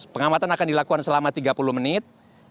pengamatan akan dilakukan selama tiga puluh menit